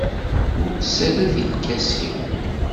Ur ttess ara deg lkas-iw.